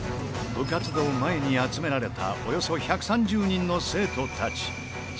部活動前に集められたおよそ１３０人の生徒たち。